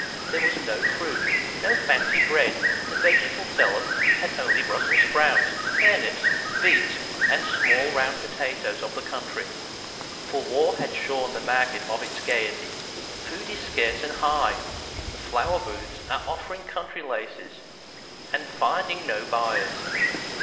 There was no fruit, no fancy bread. The vegetable sellers had only Brussels sprouts, turnips, beets and the small round potatoes of the country. For war has shorn the market of its gaiety. Food is scarce and high. The flower booths are offering country laces and finding no buyers.